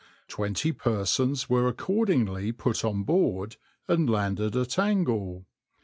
Twenty persons were accordingly put on board and landed at Angle.